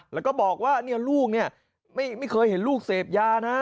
แล้วก็บอกว่าลูกเนี่ยไม่เคยเห็นลูกเสพยานะ